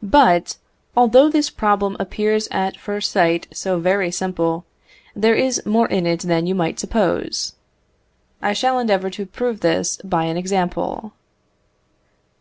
But, although this problem appears at first sight so very simple, there is more in it than you might suppose. I shall endeavour to prove this by an example.